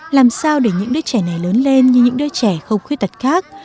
làm sao để những đứa trẻ này lớn lên như những đứa trẻ không khuyết tật khác